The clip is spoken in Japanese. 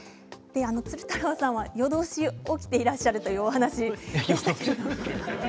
鶴太郎さんは夜通し起きていらっしゃるというお話でしたけれど。